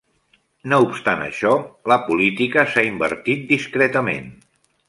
No obstant això, la política s'ha invertit discretament.